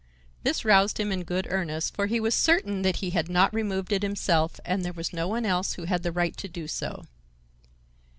This roused him in good earnest, for he was certain that he had not removed it himself and there was no one else who had the right to do so.